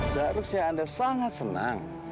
seharusnya anda sangat senang